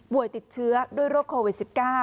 ติดเชื้อด้วยโรคโควิด๑๙